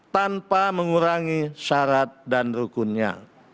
tanpa mengurangi syarat dan rukunnya